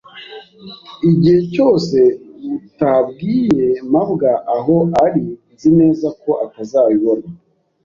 Igihe cyose utabwiye mabwa aho ari, nzi neza ko atazabibona.